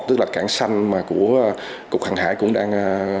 tức là cảng xanh của cục hàng hải cũng đang